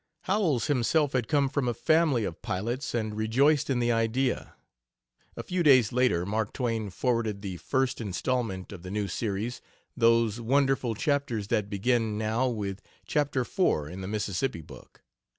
Howells himself had come from a family of pilots, and rejoiced in the idea. A few days later Mark Twain forwarded the first instalment of the new series those wonderful chapters that begin, now, with chapter four in the Mississippi book.